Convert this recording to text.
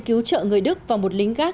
cứu trợ người đức và một lính gác